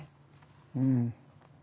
うん。